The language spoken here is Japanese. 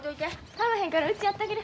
かまへんからうちやったげる。